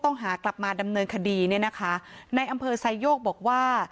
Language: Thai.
ต้องหากลับมาดำเนินคดีเนี่ยนะคะในอำเภอไซโยกบอกว่า